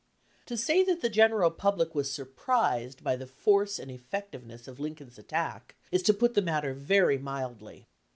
To say that the general public was surprised by the force and effectiveness of Lincoln's attack is to put the matter very mildly.